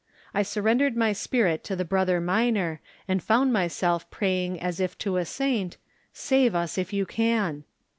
I surrendered my spirit to the Brother Minor and found myself praying as if to a saint, "Save us if you can.